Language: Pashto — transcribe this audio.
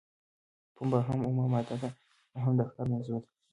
پنبه هم اومه ماده ده او هم د کار موضوع ده.